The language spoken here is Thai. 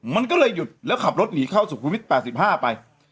มันก็เลยหยุดแล้วขับรถหนีเข้าสุขุมวิท๘๕ไป